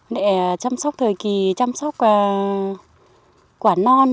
để chăm sóc thời kỳ chăm sóc quả non